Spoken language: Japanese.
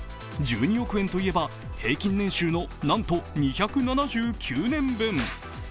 １２億円といえば、平均年収のなんと２７９年分。